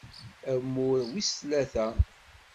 Amur wis tlata.